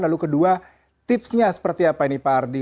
lalu kedua tipsnya seperti apa ini pak ardi